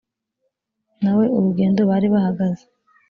na we urugendo bari bahagaze